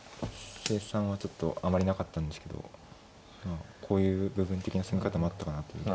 成算はちょっとあまりなかったんですけどこういう部分的な攻め方もあったかなという。